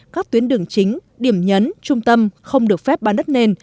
các tuyến đường chính điểm nhấn trung tâm không được phép bán đất nền